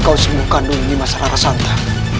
kau sembuh kandung di nimas rarasanta